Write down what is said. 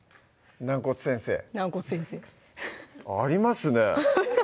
軟骨先生軟骨先生ありますね